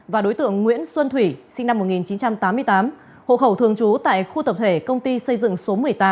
và đối tượng nguyễn xuân thủy sinh năm một nghìn chín trăm tám mươi tám hộ khẩu thường trú tại khu tập thể công ty xây dựng số một mươi tám